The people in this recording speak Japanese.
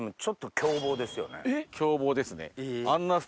凶暴ですね。